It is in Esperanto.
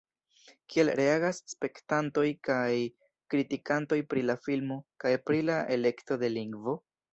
Kiel reagas spektantoj kaj kritikantoj pri la filmo, kaj pri la elekto de lingvo?